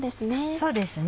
そうですね。